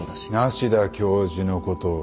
梨多教授のことを。